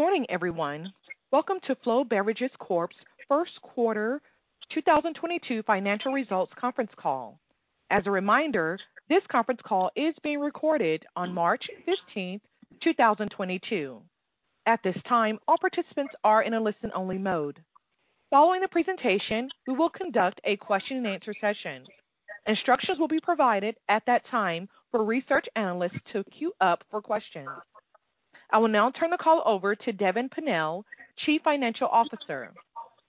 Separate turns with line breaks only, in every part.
Good morning, everyone. Welcome to Flow Beverage Corp.'s first quarter 2022 financial results conference call. As a reminder, this conference call is being recorded on March 15th, 2022. At this time, all participants are in a listen-only mode. Following the presentation, we will conduct a question-and-answer session. Instructions will be provided at that time for research analysts to queue up for questions. I will now turn the call over to Devan Pennell, Chief Financial Officer.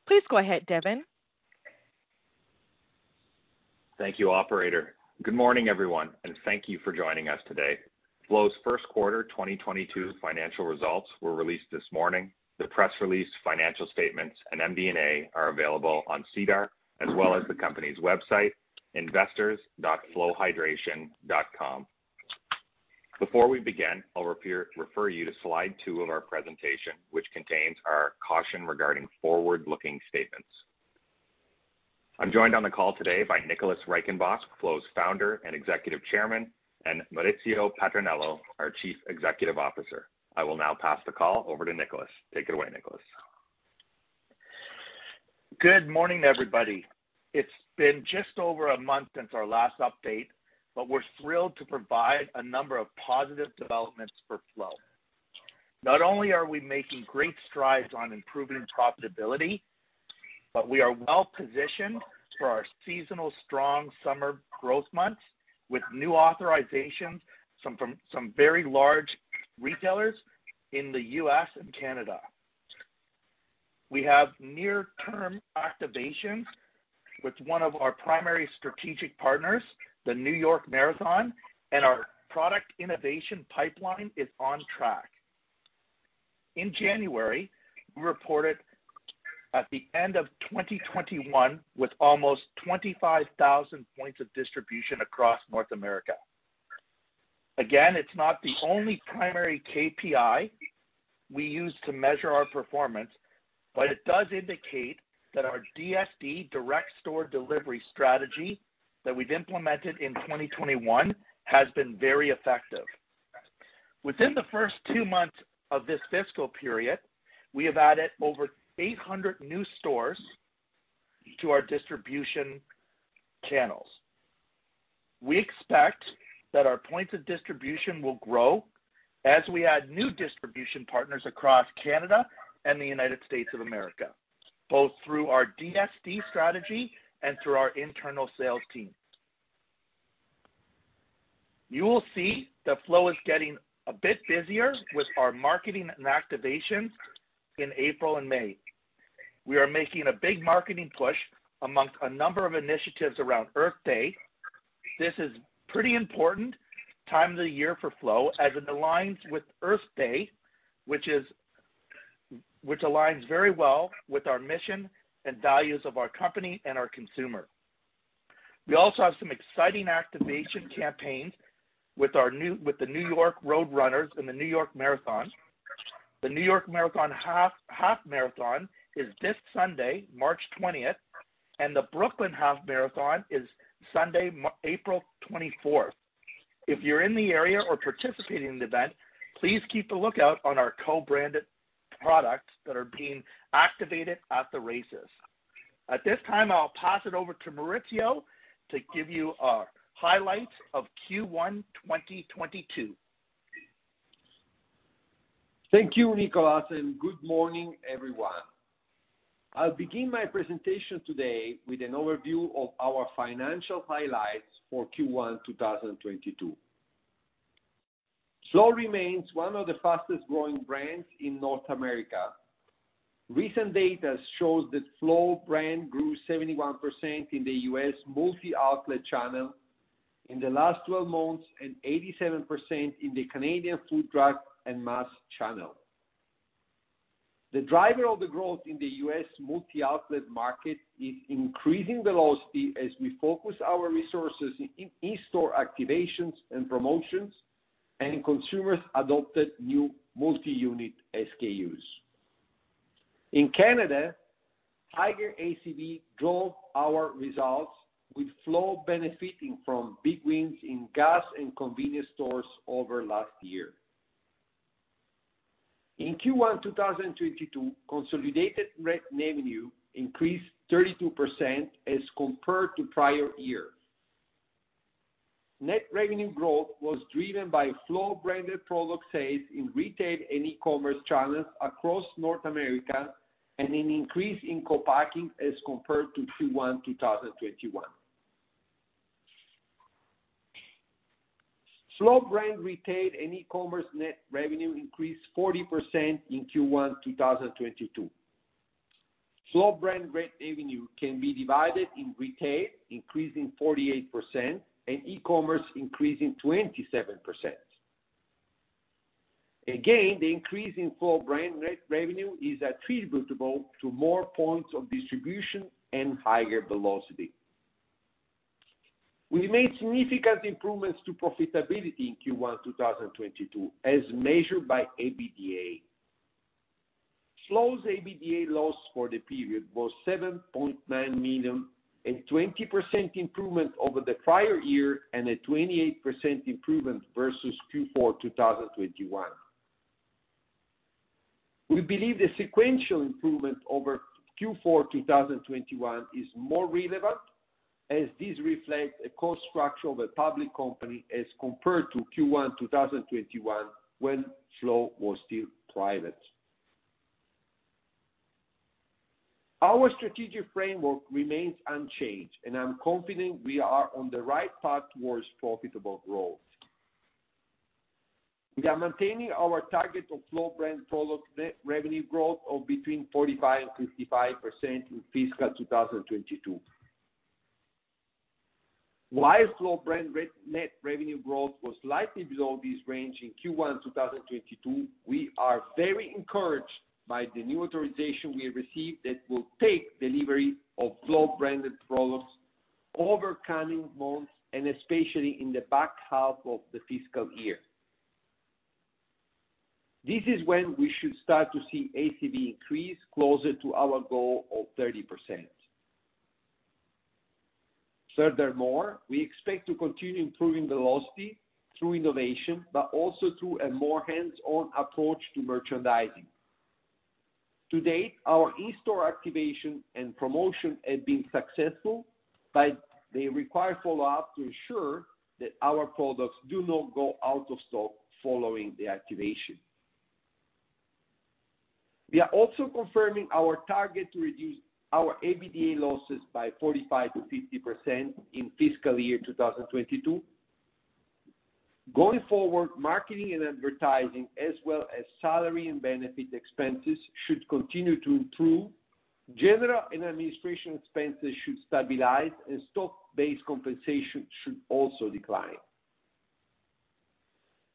Please go ahead, Devan.
Thank you, operator. Good morning, everyone, and thank you for joining us today. Flow's first quarter 2022 financial results were released this morning. The press release, financial statements, and MD&A are available on SEDAR, as well as the company's website, investors.flowhydration.com. Before we begin, I'll refer you to slide two of our presentation, which contains our caution regarding forward-looking statements. I'm joined on the call today by Nicholas Reichenbach, Flow's Founder and Executive Chairman, and Maurizio Patarnello, our Chief Executive Officer. I will now pass the call over to Nicholas. Take it away, Nicholas.
Good morning, everybody. It's been just over a month since our last update. We're thrilled to provide a number of positive developments for Flow. Not only are we making great strides on improving profitability, but we are well positioned for our seasonal strong summer growth months with new authorizations from some very large retailers in the U.S. and Canada. We have near-term activations with one of our primary strategic partners, the New York Marathon, and our product innovation pipeline is on track. In January, we reported at the end of 2021 with almost 25,000 points of distribution across North America. Again, it's not the only primary KPI we use to measure our performance. It does indicate that our DSD direct store delivery strategy that we've implemented in 2021 has been very effective. Within the first two months of this fiscal period, we have added over 800 new stores to our distribution channels. We expect that our points of distribution will grow as we add new distribution partners across Canada and the United States of America, both through our DSD strategy and through our internal sales team. You will see that Flow is getting a bit busier with our marketing and activations in April and May. We are making a big marketing push among a number of initiatives around Earth Day. This is pretty important time of the year for Flow, as it aligns with Earth Day, which aligns very well with our mission and values of our company and our consumer. We also have some exciting activation campaigns with the New York Road Runners in the New York Marathon. The New York Half Marathon is this Sunday, March 20th, and the Brooklyn Half Marathon is Sunday, April 24th. If you're in the area or participating in the event, please keep a lookout on our co-branded products that are being activated at the races. At this time, I'll pass it over to Maurizio to give you our highlights of Q1 2022.
Thank you, Nicholas, and good morning, everyone. I'll begin my presentation today with an overview of our financial highlights for Q1, 2022. Flow remains one of the fastest-growing brands in North America. Recent data shows that Flow brand grew 71% in the U.S. multi-outlet channel in the last 12 months and 87% in the Canadian food, drug, and mass channel. The driver of the growth in the U.S. multi-outlet market is increasing velocity as we focus our resources in-store activations and promotions, and consumers adopted new multi-unit SKUs. In Canada, higher ACV drove our results, with Flow benefiting from big wins in gas and convenience stores over last year. In Q1, 2022, consolidated revenue increased 32% as compared to prior year. Net revenue growth was driven by Flow-branded product sales in retail and e-commerce channels across North America and an increase in co-packing as compared to Q1 2021. Flow brand retail and e-commerce net revenue increased 40% in Q1 2022. Flow brand net revenue can be divided in retail, increasing 48%, and e-commerce, increasing 27%. Again, the increase in Flow brand net revenue is attributable to more points of distribution and higher velocity. We made significant improvements to profitability in Q1 2022 as measured by EBITDA. Flow's EBITDA loss for the period was 7.9 million, a 20% improvement over the prior year and a 28% improvement versus Q4 2021. We believe the sequential improvement over Q4, 2021 is more relevant as this reflects a cost structure of a public company as compared to Q1, 2021 when Flow was still private. Our strategic framework remains unchanged, and I'm confident we are on the right path towards profitable growth. We are maintaining our target of Flow brand total net revenue growth of between 45% and 55% in fiscal 2022. While Flow brand net revenue growth was slightly below this range in Q1, 2022, we are very encouraged by the new authorization we have received that will take delivery of Flow branded products over the coming months and especially in the back half of the fiscal year. This is when we should start to see ACV increase closer to our goal of 30%. Furthermore, we expect to continue improving velocity through innovation, but also through a more hands-on approach to merchandising. To date, our in-store activation and promotion have been successful, but they require follow-up to ensure that our products do not go out of stock following the activation. We are also confirming our target to reduce our EBITDA losses by 45%-50% in fiscal year 2022. Going forward, marketing and advertising as well as salary and benefit expenses should continue to improve. General and administrative expenses should stabilize, and stock-based compensation should also decline.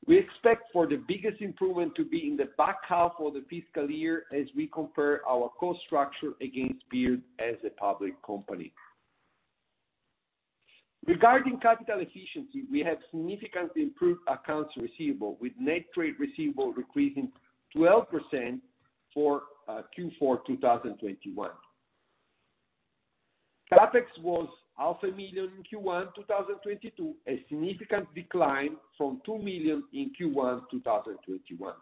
We expect for the biggest improvement to be in the back half of the fiscal year as we compare our cost structure against peers as a public company. Regarding capital efficiency, we have significantly improved accounts receivable, with net trade receivable decreasing 12% for Q4 2021. CapEx was CAD half a million in Q1, 2022, a significant decline from 2 million in Q1, 2021.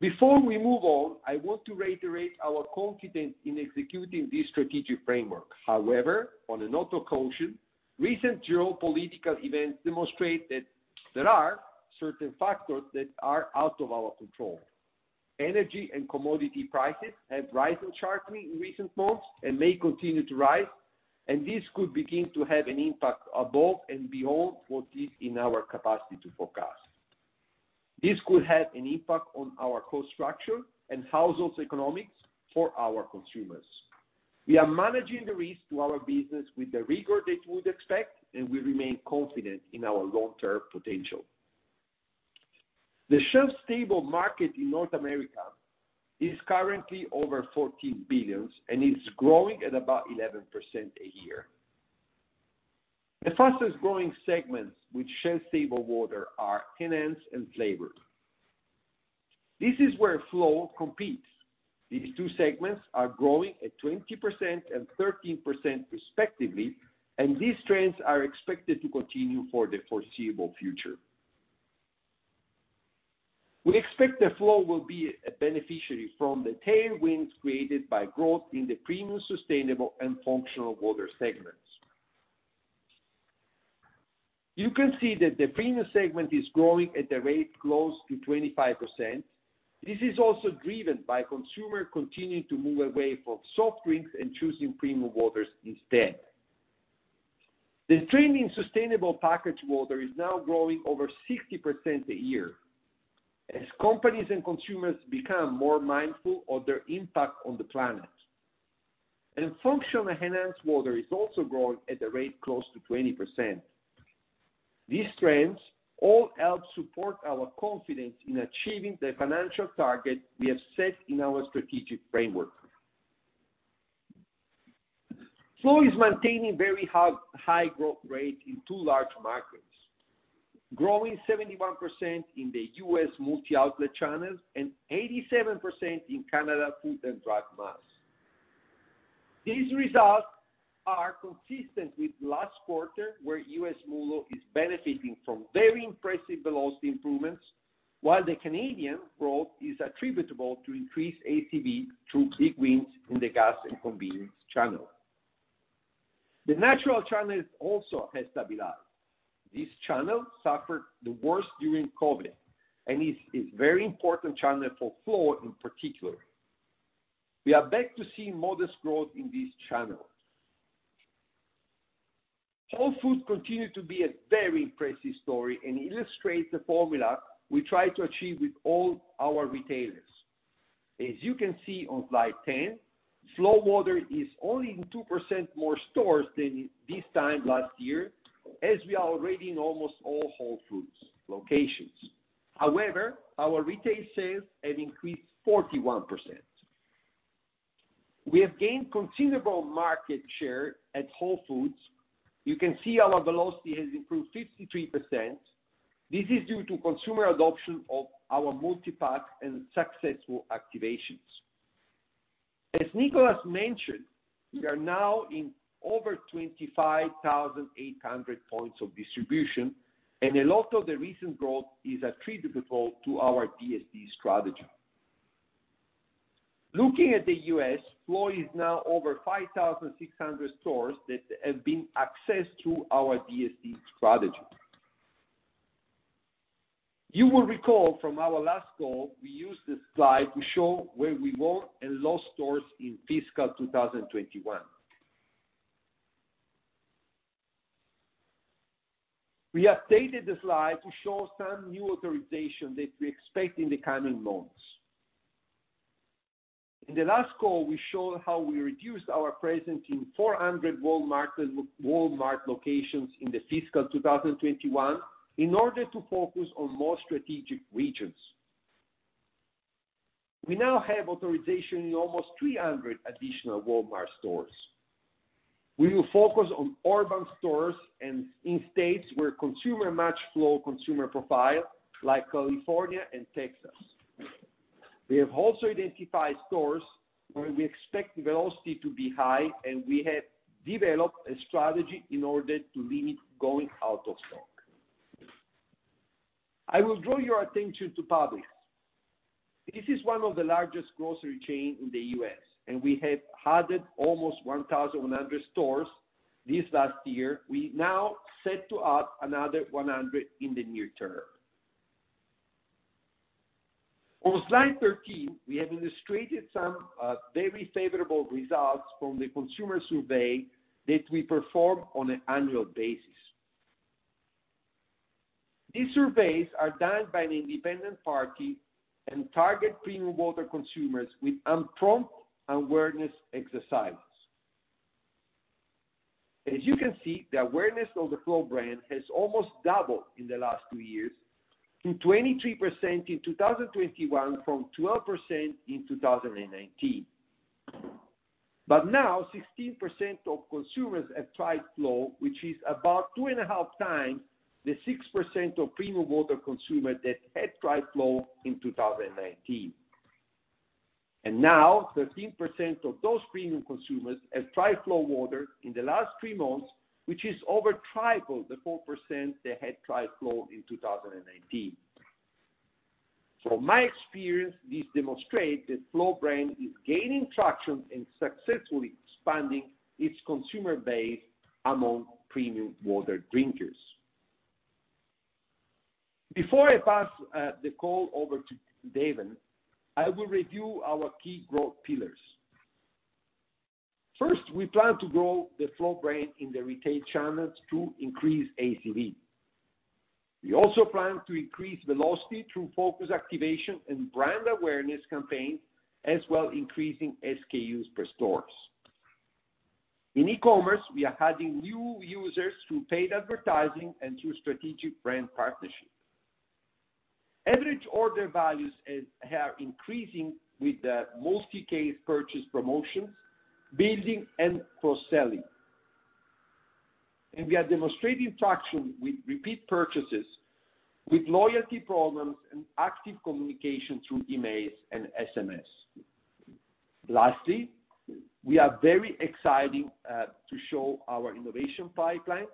Before we move on, I want to reiterate our confidence in executing this strategic framework. However, on a note of caution, recent geopolitical events demonstrate that there are certain factors that are out of our control. Energy and commodity prices have risen sharply in recent months and may continue to rise, and this could begin to have an impact above and beyond what is in our capacity to forecast. This could have an impact on our cost structure and household economics for our consumers. We are managing the risk to our business with the rigor that you would expect, and we remain confident in our long-term potential. The shelf-stable market in North America is currently over $14 billion and is growing at about 11% a year. The fastest-growing segments with shelf-stable water are enhanced and flavored. This is where Flow competes. These two segments are growing at 20% and 13% respectively, and these trends are expected to continue for the foreseeable future. We expect that Flow will be a beneficiary from the tailwinds created by growth in the premium, sustainable, and functional water segments. You can see that the premium segment is growing at a rate close to 25%. This is also driven by consumers continuing to move away from soft drinks and choosing premium waters instead. The trend in sustainable packaged water is now growing over 60% a year as companies and consumers become more mindful of their impact on the planet. Functional enhanced water is also growing at a rate close to 20%. These trends all help support our confidence in achieving the financial target we have set in our strategic framework. Flow is maintaining very high growth rate in two large markets, growing 71% in the U.S. multi-outlet channels and 87% in Canada food and drug mass. These results are consistent with last quarter, where U.S. MULO is benefiting from very impressive velocity improvements, while the Canadian growth is attributable to increased ACV through big wins in the gas and convenience channel. The natural channel has also stabilized. This channel suffered the worst during COVID and is a very important channel for Flow in particular. We are back to seeing modest growth in this channel. Whole Foods continue to be a very impressive story and illustrates the formula we try to achieve with all our retailers. As you can see on slide 10, Flow water is only in 2% more stores than this time last year, as we are already in almost all Whole Foods locations. However, our retail sales have increased 41%. We have gained considerable market share at Whole Foods. You can see our velocity has improved 53%. This is due to consumer adoption of our multipack and successful activations. As Nicholas mentioned, we are now in over 25,800 points of distribution, and a lot of the recent growth is attributable to our DSD strategy. Looking at the U.S., Flow is now over 5,600 stores that have been accessed through our DSD strategy. You will recall from our last call, we used this slide to show where we won and lost stores in fiscal 2021. We updated the slide to show some new authorization that we expect in the coming months. In the last call, we showed how we reduced our presence in 400 Walmart locations in the fiscal 2021 in order to focus on more strategic regions. We now have authorization in almost 300 additional Walmart stores. We will focus on urban stores and in states where consumer match Flow consumer profile like California and Texas. We have also identified stores where we expect velocity to be high, and we have developed a strategy in order to limit going out of stock. I will draw your attention to Publix. This is one of the largest grocery chain in the U.S., and we have added almost 1,000 stores this last year. We now set to add another 100 in the near term. On slide 13, we have illustrated some very favorable results from the consumer survey that we perform on an annual basis. These surveys are done by an independent party and target premium water consumers with unprompted awareness exercises. As you can see, the awareness of the Flow brand has almost doubled in the last two years to 23% in 2021 from 12% in 2019. Now 16% of consumers have tried Flow, which is about 2.5x the 6% of premium water consumers that had tried Flow in 2019. Now 13% of those premium consumers have tried Flow water in the last three months, which is over triple the 4% that had tried Flow in 2019. From my experience, this demonstrates that Flow brand is gaining traction and successfully expanding its consumer base among premium water drinkers. Before I pass the call over to Devan, I will review our key growth pillars. First, we plan to grow the Flow brand in the retail channels to increase ACV. We also plan to increase velocity through focus activation and brand awareness campaigns, as well as increasing SKUs per stores. In e-commerce, we are adding new users through paid advertising and through strategic brand partnerships. Average order values are increasing with the multi-case purchase promotions, bundling and cross-selling. We are demonstrating traction with repeat purchases, with loyalty programs and active communication through emails and SMS. Lastly, we are very excited to show our innovation pipeline.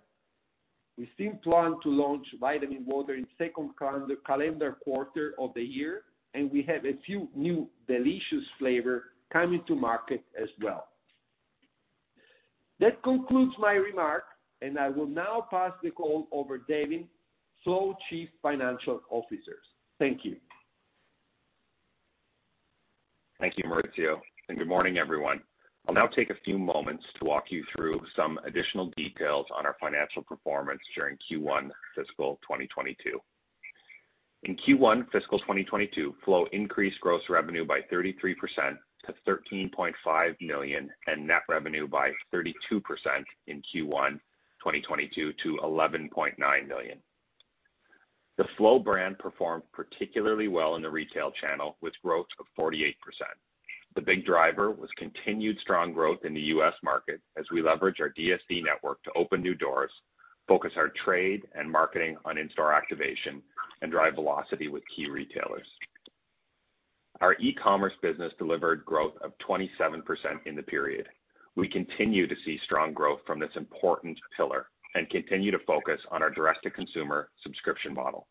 We still plan to launch vitamin water in second quarter of the year, and we have a few new delicious flavors coming to market as well. That concludes my remarks, and I will now pass the call over to Devan Pennell, Flow's Chief Financial Officer. Thank you.
Thank you, Maurizio, and good morning, everyone. I'll now take a few moments to walk you through some additional details on our financial performance during Q1 fiscal 2022. In Q1 fiscal 2022, Flow increased gross revenue by 33% to 13.5 million and net revenue by 32% in Q1 2022 to 11.9 million. The Flow brand performed particularly well in the retail channel with growth of 48%. The big driver was continued strong growth in the U.S. market as we leverage our DSD network to open new doors, focus our trade and marketing on in-store activation, and drive velocity with key retailers. Our e-commerce business delivered growth of 27% in the period. We continue to see strong growth from this important pillar and continue to focus on our direct-to-consumer subscription model.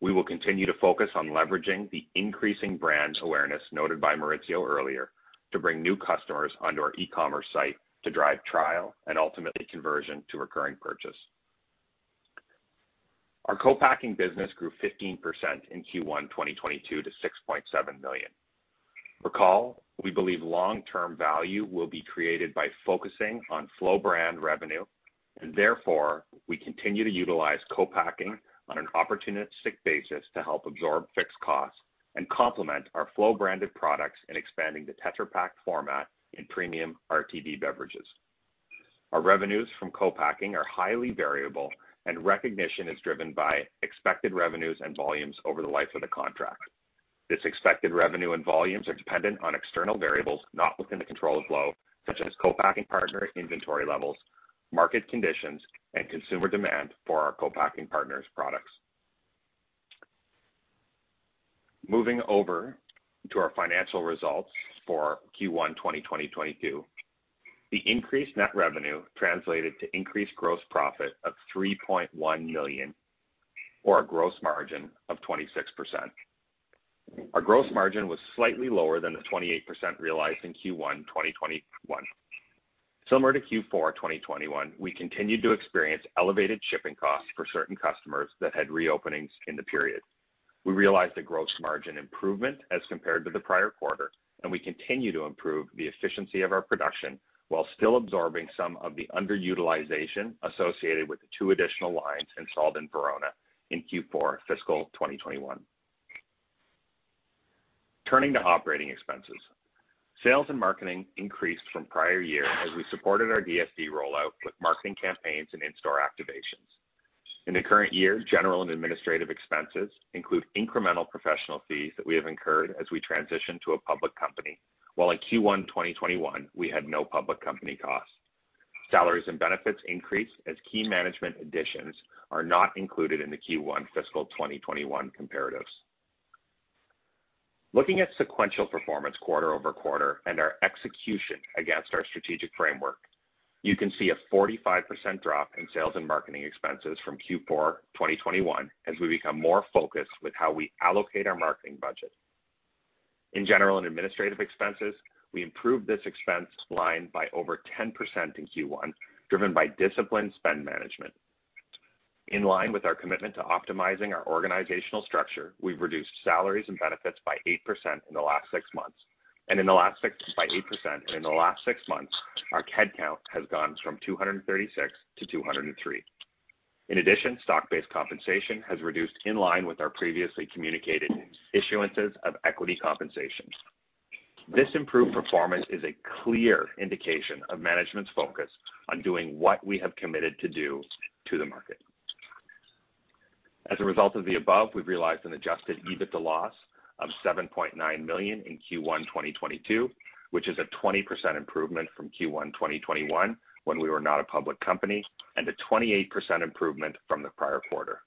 We will continue to focus on leveraging the increasing brand awareness noted by Maurizio earlier to bring new customers onto our e-commerce site to drive trial and ultimately conversion to recurring purchase. Our co-packing business grew 15% in Q1 2022 to 6.7 million. Recall, we believe long-term value will be created by focusing on Flow brand revenue, and therefore, we continue to utilize co-packing on an opportunistic basis to help absorb fixed costs and complement our Flow branded products in expanding the Tetra Pak format in premium RTD beverages. Our revenues from co-packing are highly variable, and recognition is driven by expected revenues and volumes over the life of the contract. This expected revenue and volumes are dependent on external variables not within the control of Flow, such as co-packing partner inventory levels, market conditions, and consumer demand for our co-packing partners' products. Moving over to our financial results for Q1 2022. The increased net revenue translated to increased gross profit of 3.1 million, or a gross margin of 26%. Our gross margin was slightly lower than the 28% realized in Q1 2021. Similar to Q4 2021, we continued to experience elevated shipping costs for certain customers that had reopenings in the period. We realized a gross margin improvement as compared to the prior quarter, and we continue to improve the efficiency of our production while still absorbing some of the underutilization associated with the two additional lines installed in Verona in Q4 fiscal 2021. Turning to operating expenses. Sales and marketing increased from prior year as we supported our DSD rollout with marketing campaigns and in-store activations. In the current year, general and administrative expenses include incremental professional fees that we have incurred as we transition to a public company. While in Q1 2021, we had no public company costs. Salaries and benefits increased as key management additions are not included in the Q1 fiscal 2021 comparatives. Looking at sequential performance quarter-over-quarter and our execution against our strategic framework, you can see a 45% drop in sales and marketing expenses from Q4 2021 as we become more focused with how we allocate our marketing budget. In general and administrative expenses, we improved this expense line by over 10% in Q1, driven by disciplined spend management. In line with our commitment to optimizing our organizational structure, we've reduced salaries and benefits by 8% in the last six months. by 8%, and in the last six months, our head count has gone from 236-203. In addition, stock-based compensation has reduced in line with our previously communicated issuances of equity compensations. This improved performance is a clear indication of management's focus on doing what we have committed to do to the market. As a result of the above, we've realized an adjusted EBITDA loss of 7.9 million in Q1 2022, which is a 20% improvement from Q1 2021, when we were not a public company, and a 28% improvement from the prior quarter.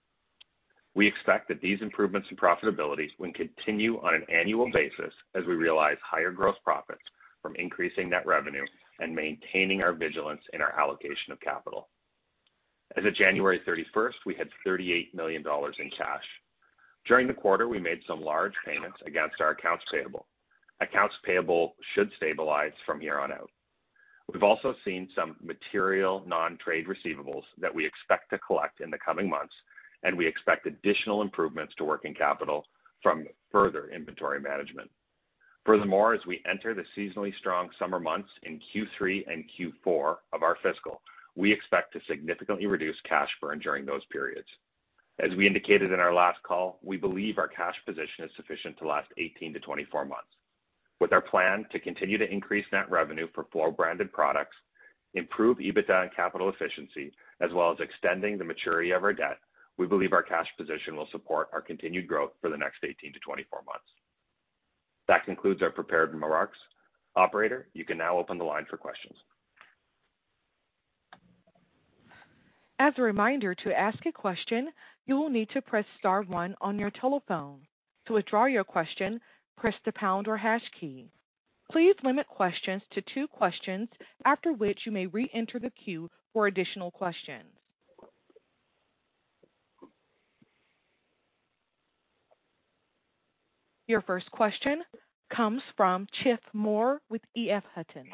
We expect that these improvements in profitability will continue on an annual basis as we realize higher gross profits from increasing net revenue and maintaining our vigilance in our allocation of capital. As of January 31st, we had 38 million dollars in cash. During the quarter, we made some large payments against our accounts payable. Accounts payable should stabilize from here on out. We've also seen some material non-trade receivables that we expect to collect in the coming months, and we expect additional improvements to working capital from further inventory management. Furthermore, as we enter the seasonally strong summer months in Q3 and Q4 of our fiscal, we expect to significantly reduce cash burn during those periods. As we indicated in our last call, we believe our cash position is sufficient to last 18-24 months. With our plan to continue to increase net revenue for Flow branded products, improve EBITDA and capital efficiency, as well as extending the maturity of our debt, we believe our cash position will support our continued growth for the next 18-24 months. That concludes our prepared remarks. Operator, you can now open the line for questions.
As a reminder, to ask a question, you will need to press star one on your telephone. To withdraw your question, press the pound or hash key. Please limit questions to two questions, after which you may reenter the queue for additional questions. Your first question comes from Chip Moore with EF Hutton.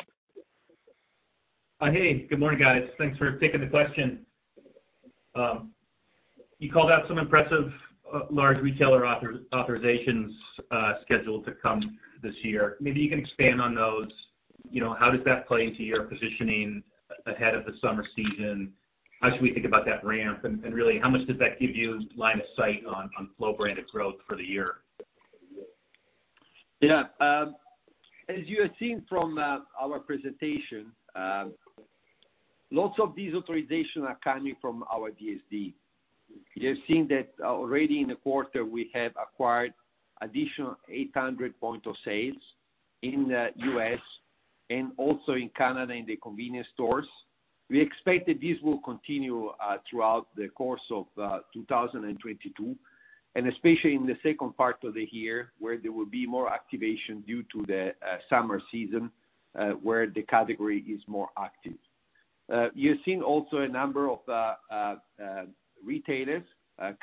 Hey, good morning, guys. Thanks for taking the question. You called out some impressive large retailer authorizations scheduled to come this year. Maybe you can expand on those. You know, how does that play into your positioning ahead of the summer season? How should we think about that ramp? Really, how much does that give you line of sight on Flow branded growth for the year?
Yeah. As you have seen from our presentation, lots of these authorizations are coming from our DSD. You have seen that already in the quarter, we have acquired additional 800 points of sale in the U.S. and also in Canada in the convenience stores. We expect that this will continue throughout the course of 2022, and especially in the second part of the year, where there will be more activation due to the summer season where the category is more active. You're seeing also a number of retailers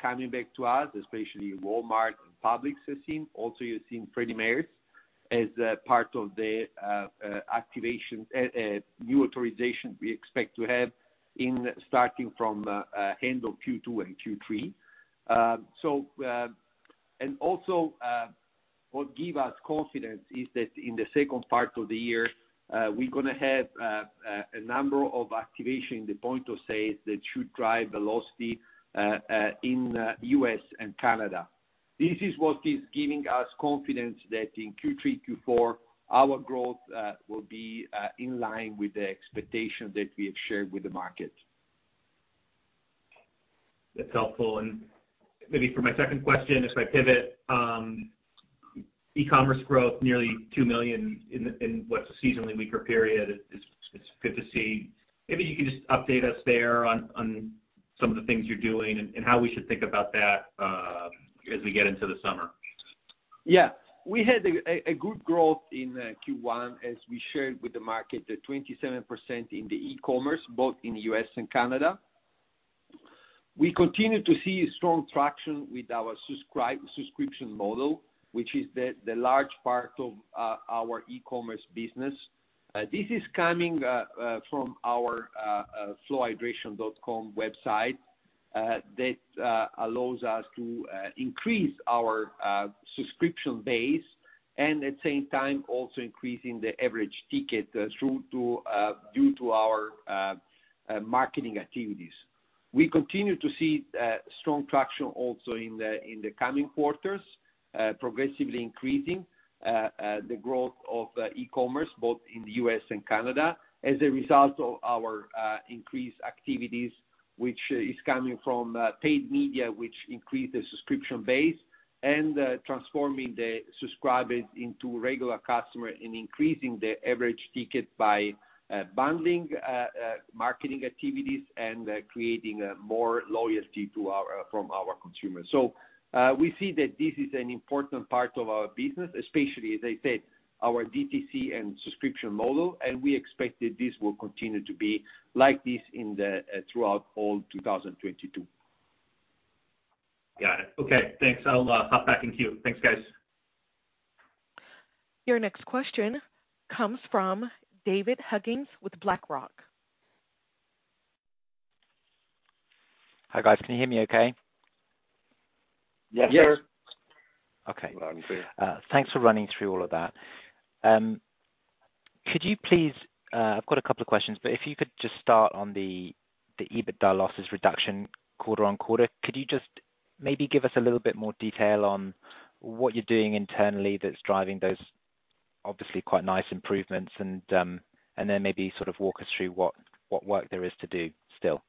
coming back to us, especially Walmart and Publix you're seeing. Also, you're seeing Fred Meyer as part of the activation, new authorizations we expect to have starting from the end of Q2 and Q3. What give us confidence is that in the second part of the year, we're gonna have a number of activation in the point of sales that should drive velocity in U.S. and Canada. This is what is giving us confidence that in Q3, Q4, our growth will be in line with the expectation that we have shared with the market.
That's helpful. Maybe for my second question, if I pivot, e-commerce growth nearly 2 million in what's a seasonally weaker period is good to see. Maybe you can just update us there on some of the things you're doing and how we should think about that, as we get into the summer.
Yeah. We had a good growth in Q1 as we shared with the market, 27% in the e-commerce, both in the U.S. and Canada. We continue to see strong traction with our subscription model, which is the large part of our e-commerce business. This is coming from our investors.flowbeverage.com website that allows us to increase our subscription base and at the same time also increasing the average ticket due to our marketing activities. We continue to see strong traction also in the coming quarters, progressively increasing the growth of e-commerce, both in the U.S. and Canada, as a result of our increased activities, which is coming from paid media, which increase the subscription base and transforming the subscribers into regular customer and increasing the average ticket by bundling marketing activities and creating more loyalty from our consumers. We see that this is an important part of our business, especially as I said, our DTC and subscription model, and we expect that this will continue to be like this throughout all 2022.
Got it. Okay. Thanks. I'll hop back in queue. Thanks, guys.
Your next question comes from David Huggins with BlackRock.
Hi, guys. Can you hear me, okay?
Yes.
Yes, sir.
Okay.
Loud and clear.
Thanks for running through all of that. Could you please, I've got a couple of questions, but if you could just start on the EBITDA losses reduction quarter-over-quarter, could you just maybe give us a little bit more detail on what you're doing internally that's driving those obviously quite nice improvements and then maybe sort of walk us through what work there is to do still?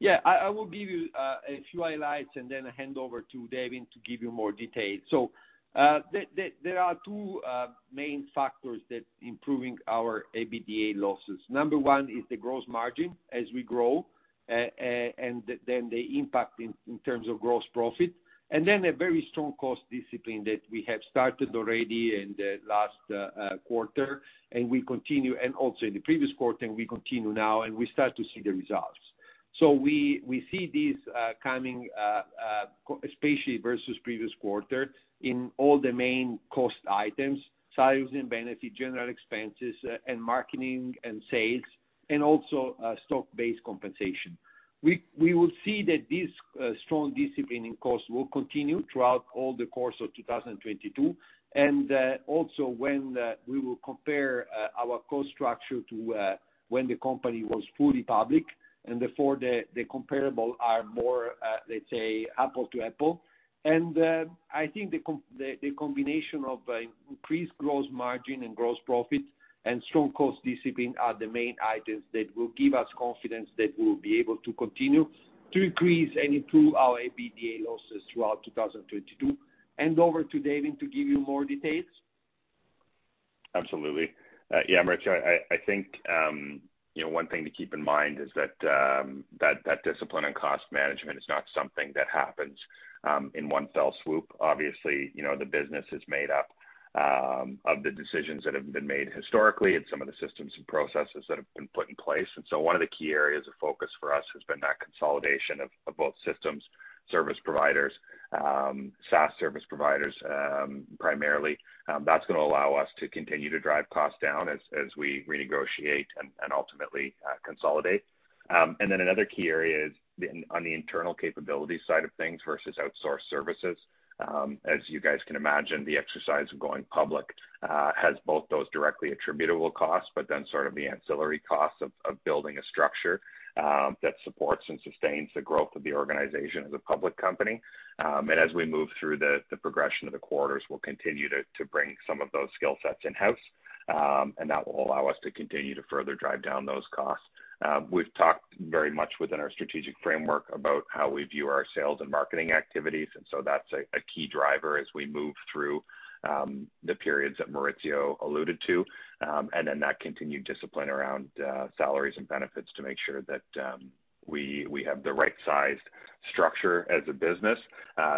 Yeah. I will give you a few highlights and then hand over to Devan to give you more details. There are two main factors that improving our EBITDA losses. Number one is the gross margin as we grow and then the impact in terms of gross profit, and then a very strong cost discipline that we have started already in the last quarter, and we continue and also in the previous quarter, and we continue now and we start to see the results. We see these coming especially versus previous quarter in all the main cost items, salaries and benefits, general expenses and marketing and sales, and also stock-based compensation. We will see that this strong discipline in cost will continue throughout all the course of 2022. Also, when we will compare our cost structure to when the company was fully public, and therefore the comparables are more, let's say, apples to apples. I think the combination of increased gross margin and gross profit and strong cost discipline are the main items that will give us confidence that we'll be able to continue to increase and improve our EBITDA losses throughout 2022. Over to Devan to give you more details.
Absolutely. Yeah, Maurizio, I think, you know, one thing to keep in mind is that that discipline and cost management is not something that happens in one fell swoop. Obviously, you know, the business is made up of the decisions that have been made historically and some of the systems and processes that have been put in place. One of the key areas of focus for us has been that consolidation of both systems, service providers, SaaS service providers, primarily. That's gonna allow us to continue to drive costs down as we renegotiate and ultimately consolidate. Another key area is on the internal capability side of things versus outsourced services. As you guys can imagine, the exercise of going public has both those directly attributable costs but then sort of the ancillary costs of building a structure that supports and sustains the growth of the organization as a public company. As we move through the progression of the quarters, we'll continue to bring some of those skill sets in-house, and that will allow us to continue to further drive down those costs. We've talked very much within our strategic framework about how we view our sales and marketing activities, and so that's a key driver as we move through the periods that Maurizio alluded to, and then that continued discipline around salaries and benefits to make sure that we have the right sized structure as a business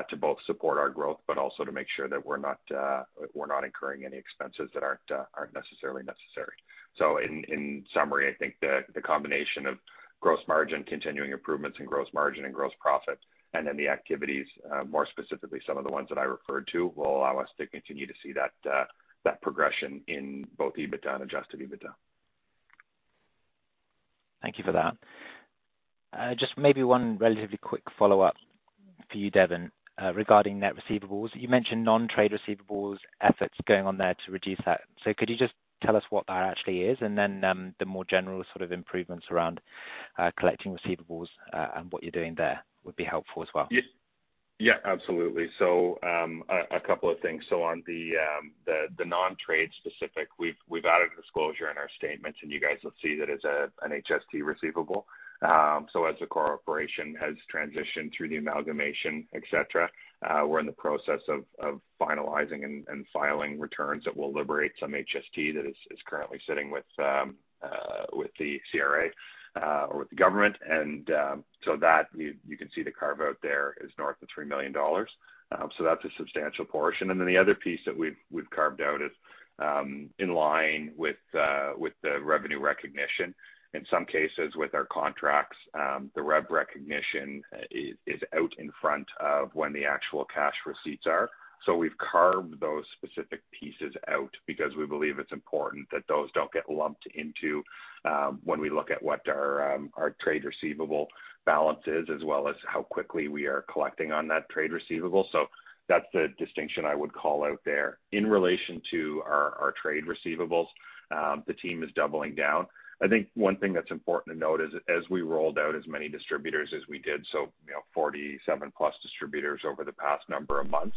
to both support our growth, but also to make sure that we're not incurring any expenses that aren't necessarily necessary. In summary, I think the combination of gross margin, continuing improvements in gross margin and gross profit, and then the activities more specifically, some of the ones that I referred to, will allow us to continue to see that progression in both EBITDA and adjusted EBITDA.
Thank you for that. Just maybe one relatively quick follow-up for you, Devan, regarding net receivables. You mentioned non-trade receivables efforts going on there to reduce that. Could you just tell us what that actually is? The more general sort of improvements around collecting receivables, and what you're doing there would be helpful as well.
Yeah, absolutely. A couple of things. On the non-trade specific, we've added disclosure in our statements, and you guys will see that as an HST receivable. As the corporation has transitioned through the amalgamation, et cetera, we're in the process of finalizing and filing returns that will liberate some HST that is currently sitting with the CRA or with the government. You can see the carve-out there is north of 3 million dollars. That's a substantial portion. The other piece that we've carved out is in line with the revenue recognition. In some cases, with our contracts, the rev recognition is out in front of when the actual cash receipts are. We've carved those specific pieces out because we believe it's important that those don't get lumped into when we look at what our trade receivable balance is, as well as how quickly we are collecting on that trade receivable. That's the distinction I would call out there. In relation to our trade receivables, the team is doubling down. I think one thing that's important to note is as we rolled out as many distributors as we did, so, you know, 47+ distributors over the past number of months.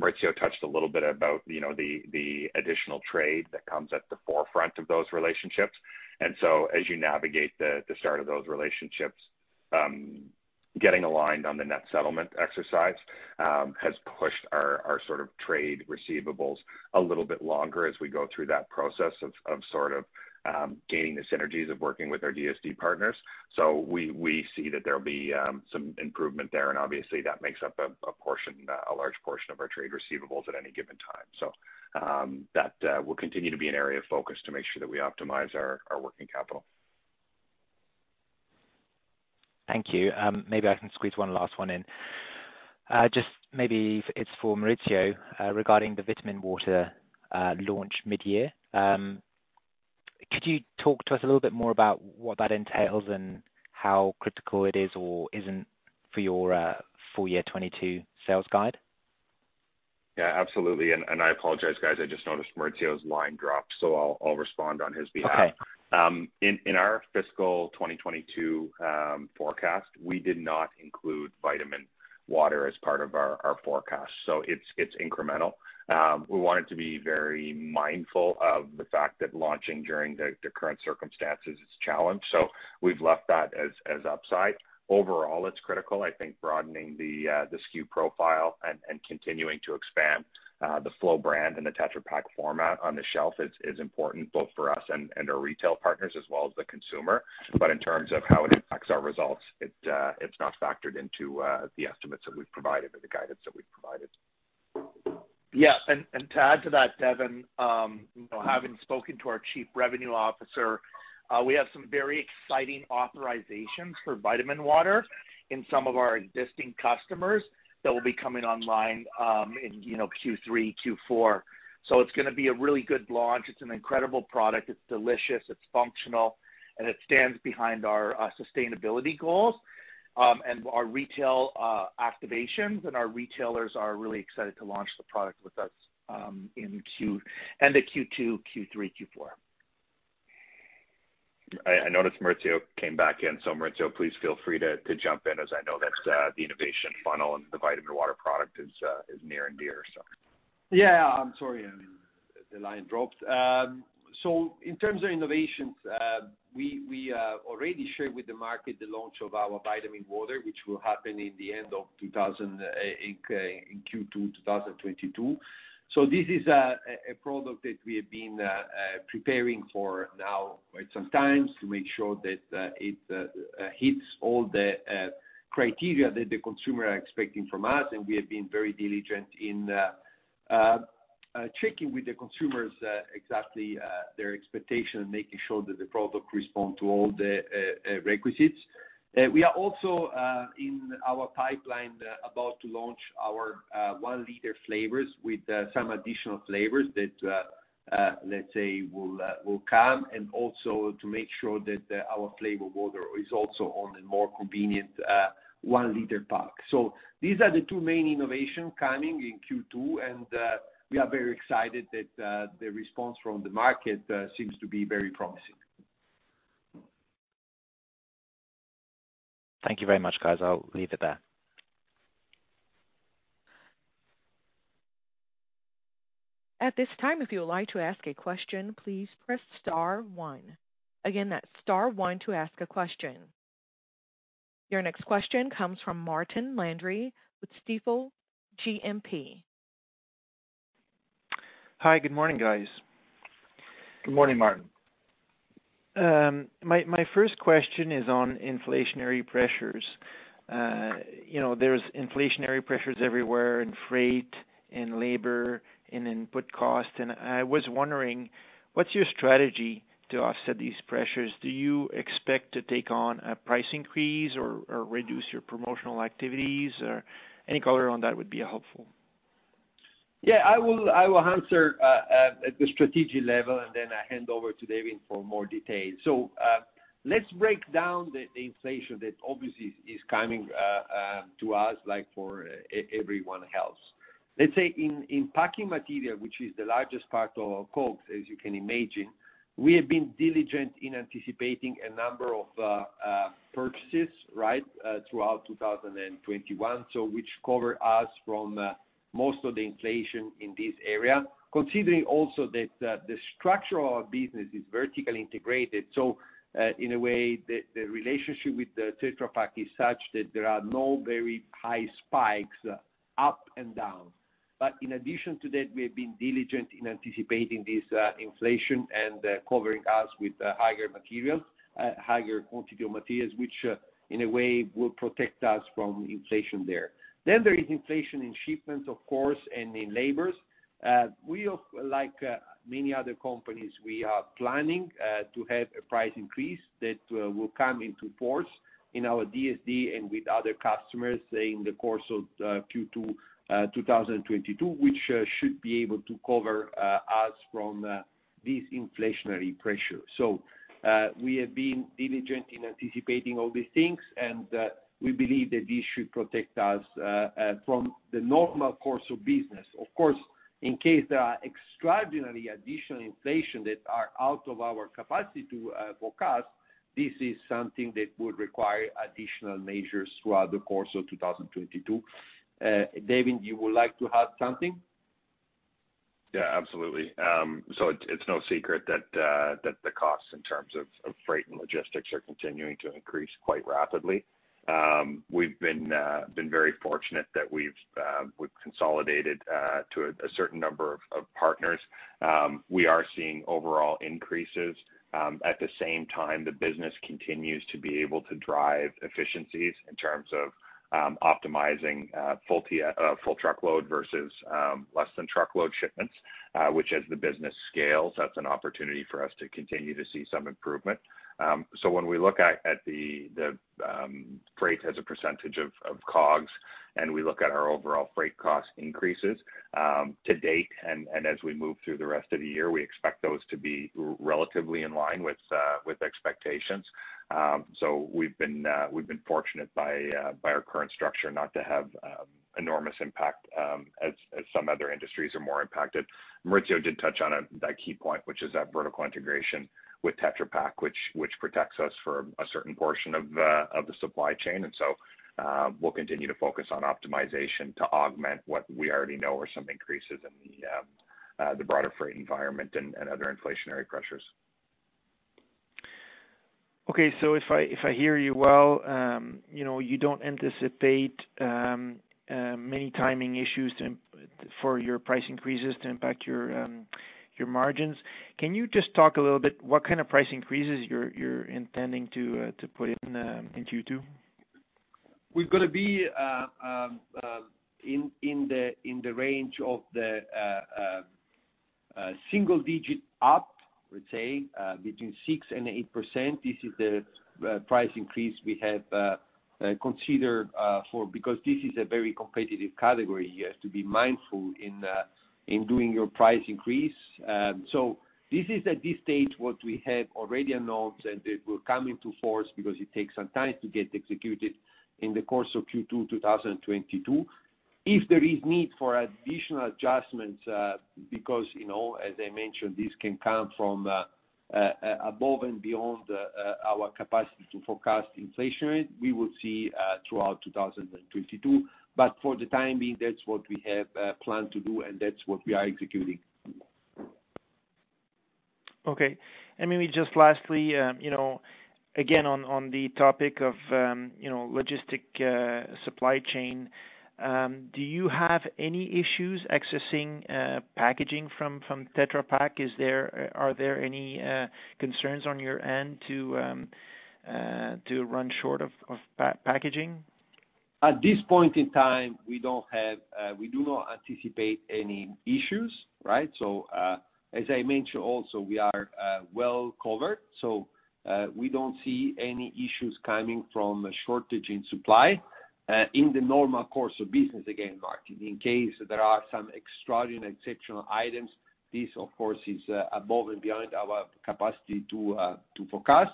Maurizio touched a little bit about, you know, the additional trade that comes at the forefront of those relationships. As you navigate the start of those relationships, getting aligned on the net settlement exercise, has pushed our sort of trade receivables a little bit longer as we go through that process of sort of gaining the synergies of working with our DSD partners. We see that there'll be some improvement there, and obviously that makes up a portion, a large portion of our trade receivables at any given time. That will continue to be an area of focus to make sure that we optimize our working capital.
Thank you. Maybe I can squeeze one last one in. Just maybe it's for Maurizio, regarding the Flow Vitamin-Infused Water launch mid-year. Could you talk to us a little bit more about what that entails and how critical it is or isn't for your full year 2022 sales guide?
Yeah, absolutely. I apologize, guys, I just noticed Maurizio's line dropped, so I'll respond on his behalf.
Okay.
In our fiscal 2022 forecast, we did not include Vitaminwater as part of our forecast, so it's incremental. We wanted to be very mindful of the fact that launching during the current circumstances is a challenge, so we've left that as upside. Overall, it's critical. I think broadening the SKU profile and continuing to expand the Flow brand in the Tetra Pak format on the shelf is important both for us and our retail partners as well as the consumer. In terms of how it impacts our results, it's not factored into the estimates that we've provided or the guidance that we've provided.
To add to that, Devan, you know, having spoken to our Chief Revenue Officer, we have some very exciting authorizations for Flow Vitamin-Infused Water in some of our existing customers that will be coming online, you know, in Q3, Q4. It's gonna be a really good launch. It's an incredible product. It's delicious, it's functional, and it stands behind our sustainability goals and our retail activations. Our retailers are really excited to launch the product with us in end of Q2, Q3, Q4.
I noticed Maurizio came back in. Maurizio, please feel free to jump in as I know that the innovation funnel and the Flow Vitamin-Infused Water product is near and dear, so.
Yeah. I'm sorry. I mean, the line dropped. In terms of innovations, we already shared with the market the launch of our Flow Vitamin-Infused Water, which will happen in Q2 2022. This is a product that we have been preparing for quite some time to make sure that it hits all the criteria that the consumers are expecting from us. We have been very diligent in checking with the consumers exactly their expectations and making sure that the product responds to all the requisites. We are also in our pipeline about to launch our 1 L flavors with some additional flavors that, let's say, will come, and also to make sure that our flavor water is also on a more convenient 1 L pack. These are the two main innovations coming in Q2, and we are very excited that the response from the market seems to be very promising.
Thank you very much, guys. I'll leave it there.
At this time, if you would like to ask a question, please press star one. Again, that's star one to ask a question. Your next question comes from Martin Landry with Stifel GMP.
Hi. Good morning, guys.
Good morning, Martin.
My first question is on inflationary pressures. You know, there's inflationary pressures everywhere in freight, in labor, and in input costs, and I was wondering, what's your strategy to offset these pressures? Do you expect to take on a price increase or reduce your promotional activities? Or any color on that would be helpful.
Yeah. I will answer at the strategic level, and then I hand over to Devan for more details. Let's break down the inflation that obviously is coming to us, like for everyone else. Let's say in packaging material, which is the largest part of COGS, as you can imagine, we have been diligent in anticipating a number of purchases, right? Throughout 2021, which cover us from most of the inflation in this area, considering also that the structure of our business is vertically integrated. In a way, the relationship with Tetra Pak is such that there are no very high spikes up and down. In addition to that, we have been diligent in anticipating this inflation and covering us with higher materials, higher quantity of materials, which in a way will protect us from inflation there. Then there is inflation in shipments, of course, and in labors. Like many other companies, we are planning to have a price increase that will come into force in our DSD and with other customers in the course of Q2 2022, which should be able to cover us from this inflationary pressure. We have been diligent in anticipating all these things, and we believe that this should protect us from the normal course of business. Of course, in case there are extraordinary additional inflation that are out of our capacity to forecast, this is something that would require additional measures throughout the course of 2022. Devan, you would like to add something?
Yeah, absolutely. It's no secret that the costs in terms of freight and logistics are continuing to increase quite rapidly. We've been very fortunate that we've consolidated to a certain number of partners. We are seeing overall increases. At the same time, the business continues to be able to drive efficiencies in terms of optimizing full truckload versus less than truckload shipments, which as the business scales, that's an opportunity for us to continue to see some improvement. When we look at the freight as a percentage of COGS, and we look at our overall freight cost increases to date and as we move through the rest of the year, we expect those to be relatively in line with expectations. We've been fortunate by our current structure not to have enormous impact as some other industries are more impacted. Maurizio did touch on that key point, which is that vertical integration with Tetra Pak, which protects us for a certain portion of the supply chain. We'll continue to focus on optimization to augment what we already know are some increases in the broader freight environment and other inflationary pressures.
Okay. If I hear you well, you know, you don't anticipate many timing issues for your price increases to impact your margins. Can you just talk a little bit what kind of price increases you're intending to put in in Q2?
We're gonna be in the range of the single digit up, let's say, between 6% and 8%. This is the price increase we have considered, because this is a very competitive category, you have to be mindful in doing your price increase. This is at this stage what we have already announced, and it will come into force because it takes some time to get executed in the course of Q2 2022. If there is need for additional adjustments, because, you know, as I mentioned, this can come from above and beyond our capacity to forecast inflation, we will see throughout 2022. For the time being, that's what we have planned to do, and that's what we are executing.
Okay. Maybe just lastly, you know, again, on the topic of logistics supply chain, do you have any issues accessing packaging from Tetra Pak? Are there any concerns on your end to run short of packaging?
At this point in time, we do not anticipate any issues, right? As I mentioned also, we are well covered, so we don't see any issues coming from a shortage in supply in the normal course of business, again, Martin. In case there are some extraordinary and exceptional items, this of course is above and beyond our capacity to forecast.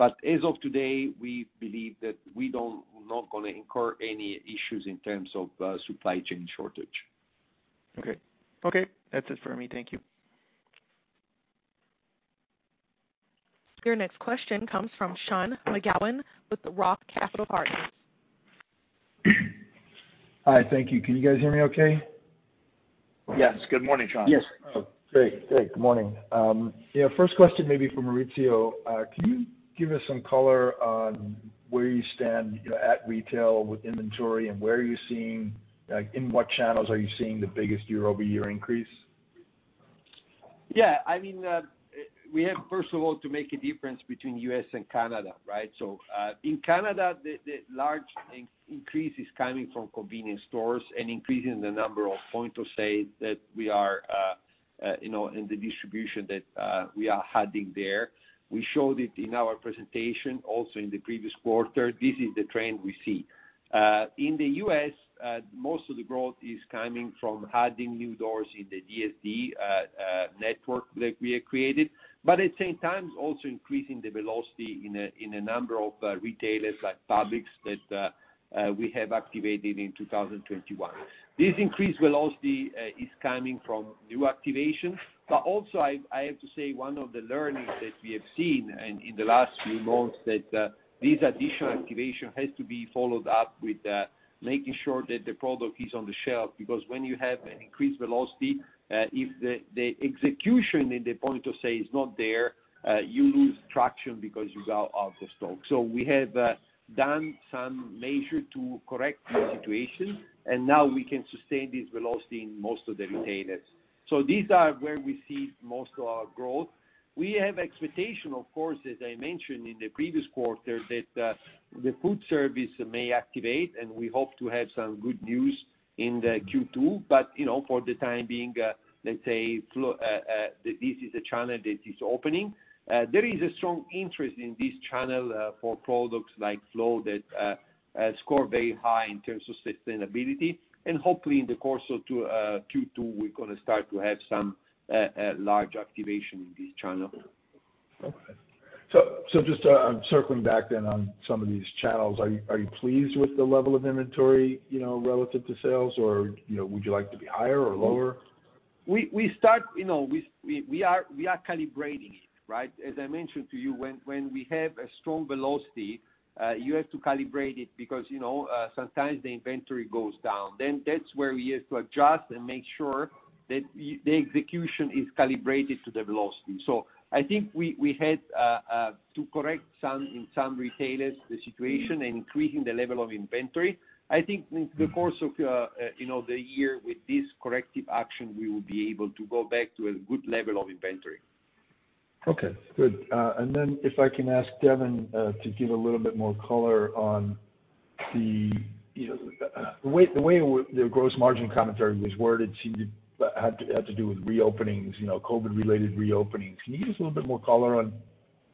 As of today, we believe that we not gonna incur any issues in terms of supply chain shortage.
Okay. That's it for me. Thank you.
Your next question comes from Sean McGowan with Roth Capital Partners.
Hi. Thank you. Can you guys hear me okay?
Yes. Good morning, Sean.
Yes.
Oh, great. Good morning. You know, first question maybe for Maurizio: Can you give us some color on where you stand, you know, at retail with inventory, and, like, in what channels are you seeing the biggest year-over-year increase?
Yeah, I mean, we have, first of all, to make a difference between U.S. and Canada, right? In Canada, the large increase is coming from convenience stores and increasing the number of point of sale that we are, you know, in the distribution that we are adding there. We showed it in our presentation also in the previous quarter. This is the trend we see. In the U.S., most of the growth is coming from adding new doors in the DSD network that we have created, but at the same time, also increasing the velocity in a number of retailers like Publix that we have activated in 2021. This increased velocity is coming from new activation. Also I have to say one of the learnings that we have seen in the last few months that this additional activation has to be followed up with making sure that the product is on the shelf, because when you have an increased velocity if the execution in the point of sale is not there you lose traction because you are out of stock. We have done some measure to correct the situation, and now we can sustain this velocity in most of the retailers. These are where we see most of our growth. We have expectation, of course, as I mentioned in the previous quarter, that the food service may activate, and we hope to have some good news in the Q2, but you know, for the time being, let's say this is a channel that is opening. There is a strong interest in this channel for products like Flow that score very high in terms of sustainability. Hopefully in the course of Q2, we're gonna start to have some large activation in this channel.
Okay. Just, I'm circling back then on some of these channels. Are you pleased with the level of inventory, you know, relative to sales or, you know, would you like to be higher or lower?
You know, we are calibrating it, right? As I mentioned to you, when we have a strong velocity, you have to calibrate it because, you know, sometimes the inventory goes down. Then that's where we have to adjust and make sure that the execution is calibrated to the velocity. I think we had to correct some, in some retailers, the situation and increasing the level of inventory. I think in the course of, you know, the year with this corrective action, we will be able to go back to a good level of inventory.
Okay, good. If I can ask Devan to give a little bit more color on the way the gross margin commentary was worded had to do with reopenings, you know, COVID-related reopenings. Can you give us a little bit more color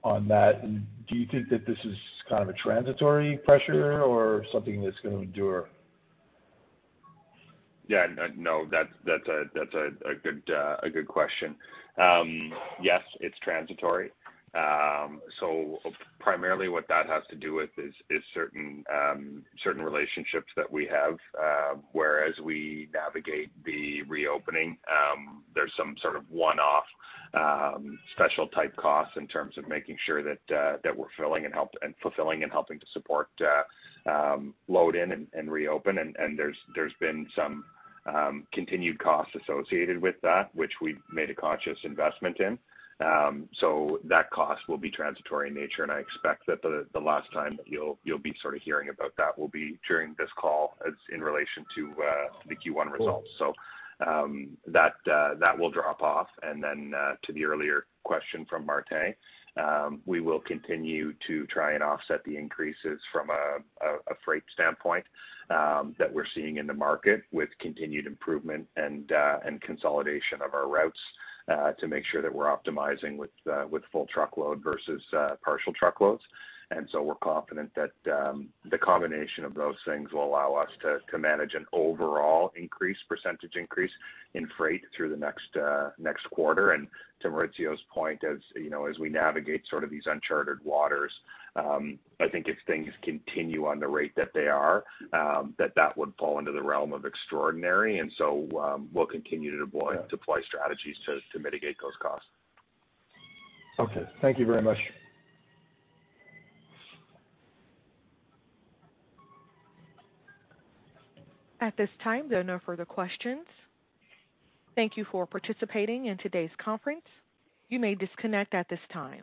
on that? Do you think that this is kind of a transitory pressure or something that's gonna endure?
Yeah. No, that's a good question. Yes, it's transitory. So primarily what that has to do with is certain relationships that we have, whereas we navigate the reopening, there's some sort of one-off special type costs in terms of making sure that we're fulfilling and helping to support load in and reopen. And there's been some continued costs associated with that, which we've made a conscious investment in. So, that cost will be transitory in nature, and I expect that the last time that you'll be sort of hearing about that will be during this call as in relation to the Q1 results. So, that will drop off. To the earlier question from Martin Landry, we will continue to try and offset the increases from a freight standpoint that we're seeing in the market with continued improvement and consolidation of our routes to make sure that we're optimizing with full truckload versus partial truckloads. We're confident that the combination of those things will allow us to manage an overall increase, percentage increase in freight through the next quarter. To Maurizio Patarnello's point, as you know, as we navigate sort of these uncharted waters, I think if things continue at the rate that they are, that would fall into the realm of extraordinary. We'll continue to deploy strategies to mitigate those costs.
Okay. Thank you very much.
At this time, there are no further questions. Thank you for participating in today's conference. You may disconnect at this time.